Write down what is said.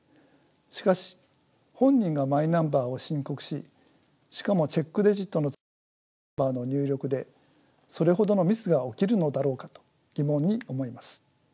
しかし本人がマイナンバーを申告ししかもチェックデジットのついたマイナンバーの入力でそれほどのミスが起きるのだろうかと疑問に思います。